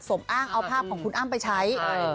สมอ้างเอาภาพของคุณอ้ำไปใช้